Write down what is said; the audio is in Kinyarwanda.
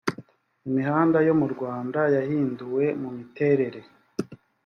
imihanda yo mu rwanda yahinduwe mu miterere